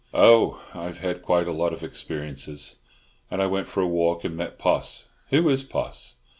"Oh, I've had quite a lot of experiences; and I went for a walk and met Poss. Who is Poss?"